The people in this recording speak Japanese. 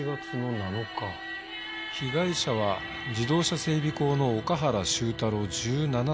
被害者は自動車整備工の岡原周太郎１７歳。